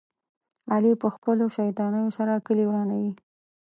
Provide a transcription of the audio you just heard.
علي په خپلو شیطانیو سره کلي ورانوي.